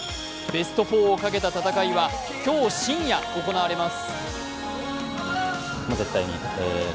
ベスト４をかけた戦いは今日深夜行われます。